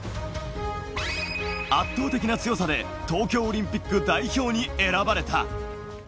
圧倒的な強さで東京オリンピック代表に選ばれた。